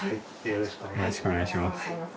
よろしくお願いします